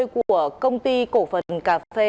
của công ty cổ phần cà phê